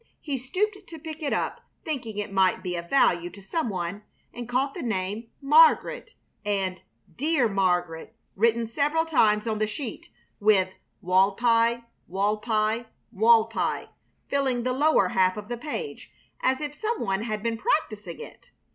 He stooped to pick it up, thinking it might be of value to some one, and caught the name "Margaret" and "Dear Margaret" written several times on the sheet, with "Walpi, Walpi, Walpi," filling the lower half of the page, as if some one had been practising it.